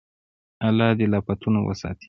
الله دې له افتونو وساتي.